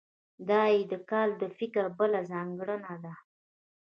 دا یې د کالم د فکر بله ځانګړنه ده.